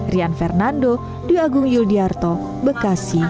rian fernando dwi agung yul diyarto bekasi